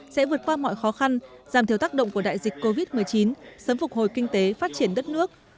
sẽ vượt qua mọi khó khăn giảm thiểu tác động của đại dịch covid một mươi chín sớm phục hồi kinh tế phát triển đất nước